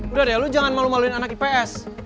udah deh lu jangan malu maluin anak ips